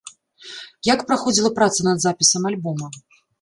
Як праходзіла праца над запісам альбома?